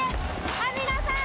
網野さん